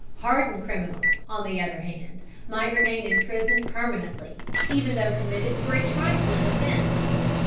Hardened criminals, on the other hand, might remain in prison permanently, even though committed for a trifling offense.